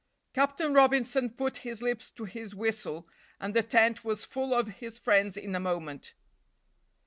Captain Robinson put his lips to his whistle, and the tent was full of his friends in a moment.